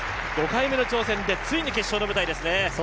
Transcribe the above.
５回目の挑戦で、ついに決勝の舞台ですね。